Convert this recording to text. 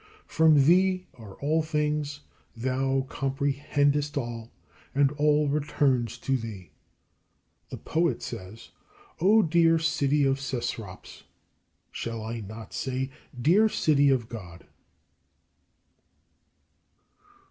From thee are all things, thou comprehendest all, and all returns to thee. The poet says, "O dear City of Cecrops!" Shall I not say, "Dear City of God!"